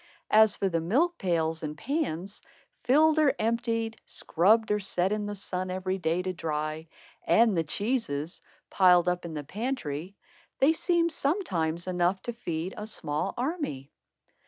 As for the milk pails and pans, filled or emptied, scrubbed or set in the sun every day to dry, and the cheeses, piled up in the pantry, they seemed sometimes enough to feed a small army.